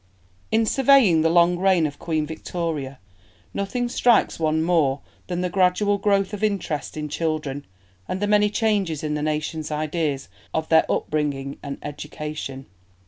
] In surveying the long reign of Queen Victoria nothing strikes one more than the gradual growth of interest in children, and the many changes in the nation's ideas of their upbringing and education.